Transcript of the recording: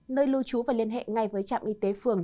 nơi lưu trú và liên hệ ngay với trạm y tế phường